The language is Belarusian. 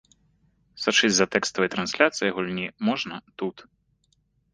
Сачыць за тэкставай трансляцыяй гульні можна тут.